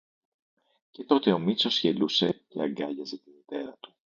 Και τότε ο Μήτσος γελούσε και αγκάλιαζε τη μητέρα του.